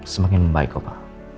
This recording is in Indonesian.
semakin baik opa